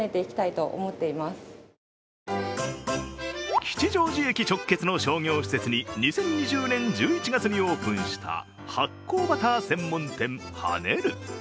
吉祥寺駅直結の商業施設に２０２０年１１月にオープンした発酵バター専門店ＨＡＮＥＲＵ。